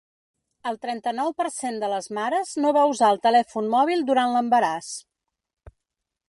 El trenta-nou per cent de les mares no va usar el telèfon mòbil durant l’embaràs.